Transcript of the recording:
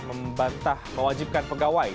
membantah mewajibkan pegawai